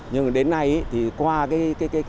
nhưng đến nay thì qua cái